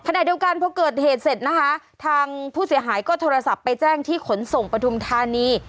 ขณะเดียวกันพอเกิดเหตุเสร็จนะคะทางผู้เสียหายก็โทรศัพท์ไปแจ้งที่ขนส่งปฐุมธานี